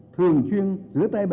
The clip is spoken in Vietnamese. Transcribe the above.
thường chuyên rửa tay